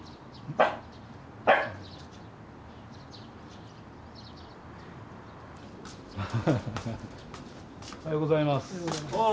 あおはようございます。